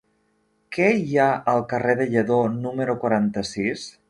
Què hi ha al carrer de Lledó número quaranta-sis?